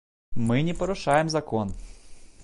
Мы не парушаем закон.